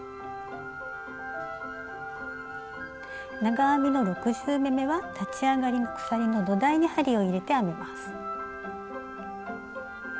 長編みの６０目めは立ち上がりの鎖の土台に針を入れて編みます。